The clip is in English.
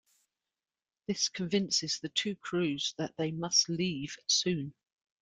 This convinces the two crews that they must leave soon.